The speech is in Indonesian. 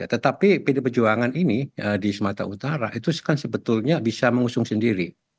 tetapi pdi perjuangan ini di sumatera utara itu kan sebetulnya bisa mengusung sendiri